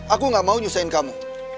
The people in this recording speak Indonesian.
aku gak mau nyusahin kamu